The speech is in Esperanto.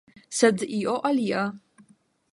Sed io alia.